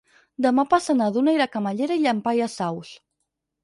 Demà passat na Duna anirà a Camallera i Llampaies Saus.